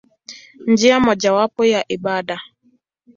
Njia mojawapo ya ibada.